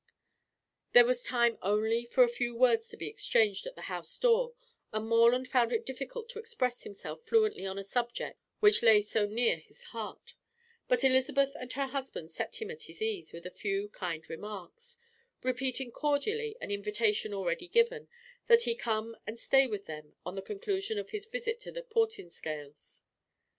There was time only for a very few words to be exchanged at the house door, and Morland found it difficult to express himself fluently on a subject which lay so near his heart, but Elizabeth and her husband set him at his ease with a few kind remarks, repeating cordially an invitation already given, that he come and stay with them on the conclusion of his visit to the Portinscales.